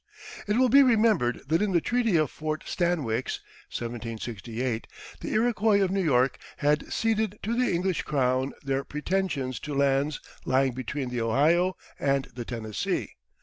It will be remembered that in the treaty of Fort Stanwix (1768) the Iroquois of New York had ceded to the English crown their pretensions to lands lying between the Ohio and the Tennessee.